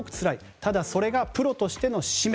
ただそれがプロとしての使命。